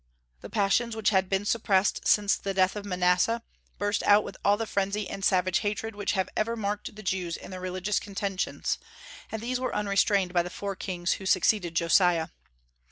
The passions which had been suppressed since the death of Manasseh burst out with all the frenzy and savage hatred which have ever marked the Jews in their religious contentions, and these were unrestrained by the four kings who succeeded Josiah.